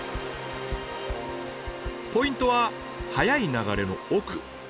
ポイントは速い流れの奥。